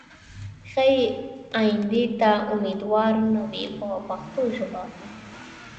ښې ایندې ته امیدوار نه وي په پښتو ژبه.